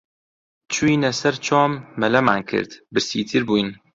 چووینە سەر چۆم، مەلەمان کرد، برسیتر بووین